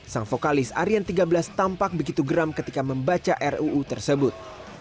sang vokalis aryan tiga belas tampak begitu geram ketika membaca ruu tersebut